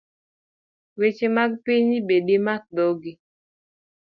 Weche mag pinyin be dimak dhogi